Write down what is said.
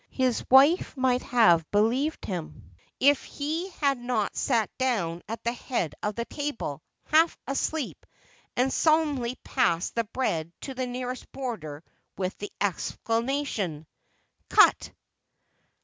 His wife might have believed him, if he had not sat down at the head of the table, half asleep, and solemnly passed the bread to the nearest boarder with the exclamation, "Cut!"